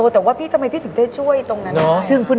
แต่ว่าพี่ทำไมพี่ถึงได้ช่วยตรงนั้น